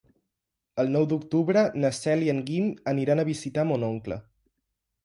El nou d'octubre na Cel i en Guim aniran a visitar mon oncle.